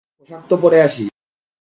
পোশাক তো পরে আসি।